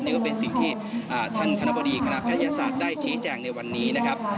นี่ก็เป็นสิ่งที่ท่านคณะบดีคณะแพทยศาสตร์ได้ชี้แจงในวันนี้นะครับ